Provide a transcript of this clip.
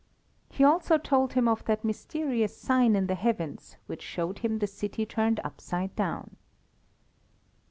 He also told him of that mysterious sign in the heavens which showed him the city turned upside down.